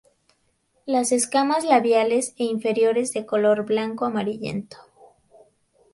Las escamas labiales e inferiores de color blanco amarillento.